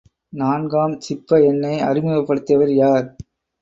நான்காம் சிப்ப எண்ணை அறிமுகப்படுத்தியவர் யார்?